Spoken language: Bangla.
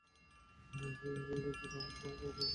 হেই, আমি বঞ্চিত হবার অপরাধে অপরাধী!